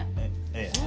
ええ。